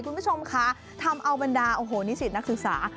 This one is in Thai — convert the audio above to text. คุณผู้ชมคะทำเอาบรรดาโอ้โหนิสิตนักศึกษา